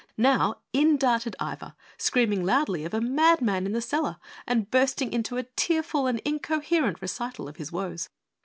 Now in darted Iva, screaming loudly of a mad man in the cellar and bursting into tearful and incoherent recital of his woes.